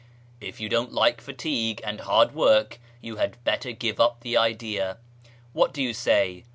If you don't like fatigue and hard w^ork you had better give up the idea. What do you say